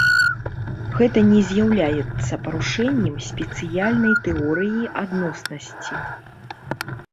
Гэта не з'яўляецца парушэннем спецыяльнай тэорыі адноснасці.